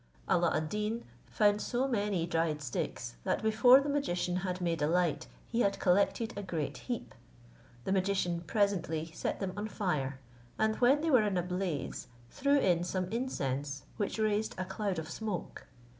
Alla ad Deen found so many dried sticks, that before the magician had made a light, he had collected a great heap. The magician presently set them on fire, and when they were in a blaze, threw in some incense which raised a cloud of smoke.